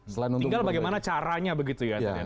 tinggal bagaimana caranya begitu ya